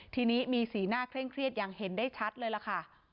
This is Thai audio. ทีนี้มีสีหน้าเคร่งเครียดอย่างเห็นได้ชัดเลยล่ะค่ะ